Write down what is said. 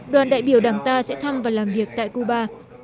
đoàn đại biểu đảng ta sẽ thăm và làm việc tại cuba